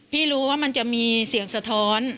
ไม่รู้ว่ามันจะมีเสียงสะท้อน